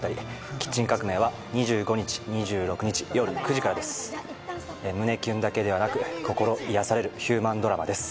キッチン革命は２５日２６日胸キュンだけではなく心癒やされるヒューマンドラマです